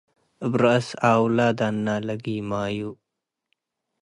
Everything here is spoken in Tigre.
እብ ረአስ አውለ ደነ ለጊማዩ